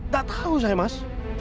tak tahu mas